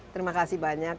terima kasih banyak